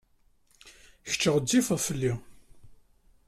Kečč ɣezzifed fell-i.